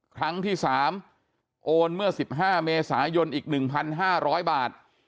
ครั้งที่๓โอนเมื่อ๑๕เมษายนอีก๑๕๐๐บาท